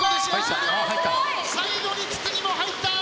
最後に筒にも入った。